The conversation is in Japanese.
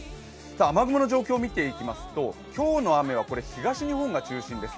雨雲の状況を見ていきますと、今日の雨は東日本が中心です。